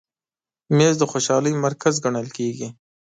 مېز د خوشحالۍ مرکز ګڼل کېږي.